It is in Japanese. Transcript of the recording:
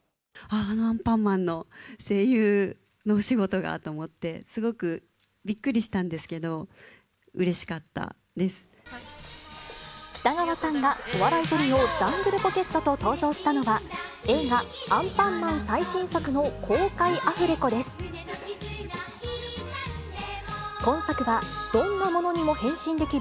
あのアンパンマンの声優のお仕事がーと思って、すごくびっくりしたんですけど、うれしかった北川さんがお笑いトリオ、ジャングルポケットと登場したのは、映画、アンパンマン最新作の公開アフレコです。